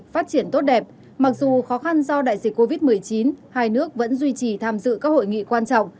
phát triển tốt đẹp mặc dù khó khăn do đại dịch covid một mươi chín hai nước vẫn duy trì tham dự các hội nghị quan trọng